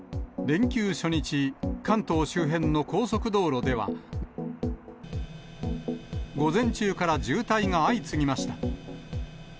連休初日、関東周辺の高速道路では、午前中から渋滞が相次ぎました。